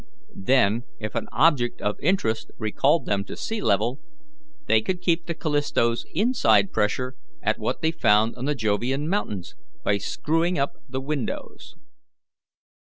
Then, if an object of interest recalled them to sea level, they could keep the Callisto's inside pressure at what they found on the Jovian mountains, by screwing up the windows.